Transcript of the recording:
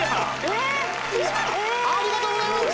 えーっありがとうございます！